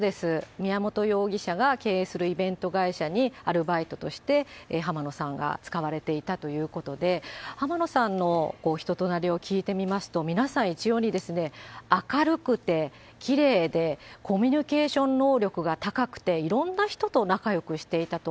宮本容疑者が経営するイベント会社に、アルバイトとして浜野さんがつかわれていたということで、浜野さんのひととなりを聞いてみますと、皆さん一様に明るくてきれいで、コミュニケーション能力が高くていろんな人と仲よくしていたと。